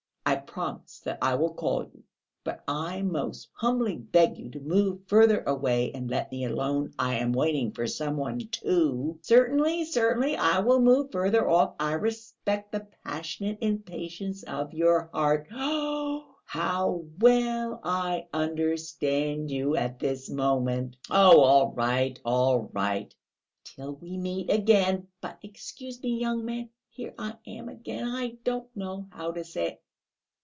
I promise that I will call you. But I most humbly beg you to move further away and let me alone. I am waiting for some one too." "Certainly, certainly, I will move further off. I respect the passionate impatience of your heart. Oh, how well I understand you at this moment!" "Oh, all right, all right...." "Till we meet again!... But excuse me, young man, here I am again ... I don't know how to say it